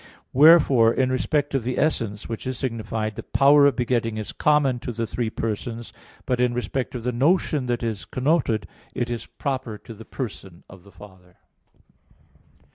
Wherefore in respect of the essence, which is signified, the power of begetting is common to the three persons: but in respect of the notion that is connoted, it is proper to the person of the Father.